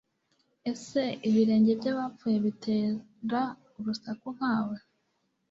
Ese ibirenge by'abapfuye bitera urusaku nka we